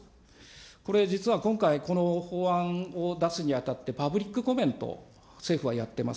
これ、実は今回、この法案を出すにあたって、パブリックコメント、政府はやってます。